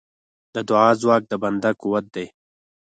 د دعا ځواک د بنده قوت دی.